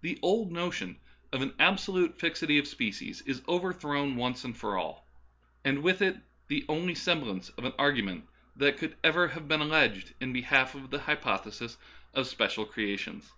The old notion of an absolute fixity of species is over thrown once for all, and with it the only sem blance of an argument that could ever have been alleged in behalf of the hypothesis of special cre ations.